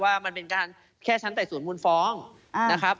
มันเป็นการแค่ชั้นไต่สวนมูลฟ้องนะครับ